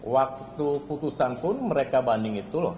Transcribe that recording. waktu putusan pun mereka banding itu loh